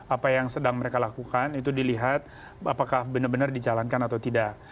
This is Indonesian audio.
apa yang sedang mereka lakukan itu dilihat apakah benar benar dijalankan atau tidak